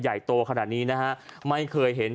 ใหญ่โตขนาดนี้นะฮะไม่เคยเห็น